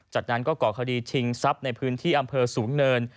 จากนั้นก็ก่อคดีชิงทรัพย์ในพื้นที่อำเภอสูงเนิน